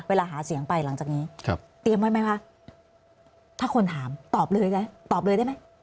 เวลาหาเสียงไปหลังจากนี้เตรียมไว้ไหมคะถ้าคนถามตอบเลยได้ไหม